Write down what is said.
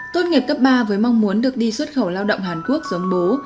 tốt nghiệp cấp ba với mong muốn được đi xuất khẩu lao động hàn quốc giống bố